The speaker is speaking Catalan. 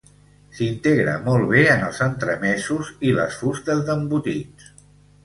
S'integra molt bé en els entremesos i les fustes d'embotits.